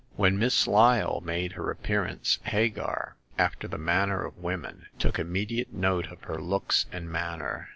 When Miss Lyle made her appearance, Hagar, after the manner of women, took immediate note of her looks and manner.